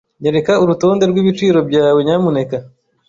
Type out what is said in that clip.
Nyereka urutonde rwibiciro byawe, nyamuneka.